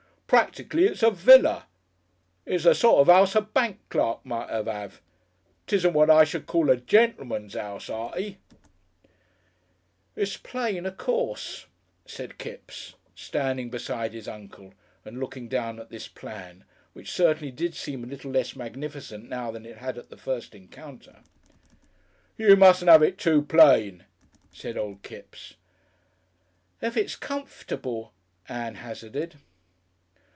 "Practically it's a villa. It's the sort of 'ouse a bank clerk might 'ave. 'Tisn't what I should call a gentleman's 'ouse, Artie." "It's plain, of course," said Kipps, standing beside his uncle and looking down at this plan, which certainly did seem a little less magnificent now than it had at the first encounter. "You mustn't 'ave it too plain," said old Kipps. "If it's comfortable ," Ann hazarded.